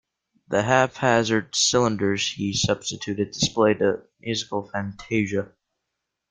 The haphazard cylinders he substituted displayed a musical fantasia.